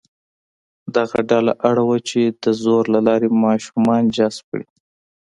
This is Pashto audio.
دغه ډله اړ وه چې د زور له لارې ماشومان جذب کړي.